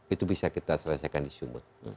itu bisa kita selesaikan di sumut